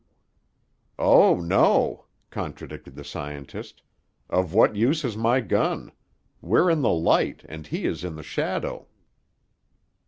"Oh, no," contradicted the scientist. "Of what use is my gun? We're in the light, and he is in the shadow."